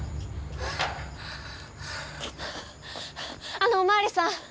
あのおまわりさん